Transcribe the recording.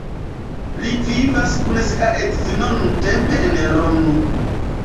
Li vivas kun sia edzino nuntempe en Romo.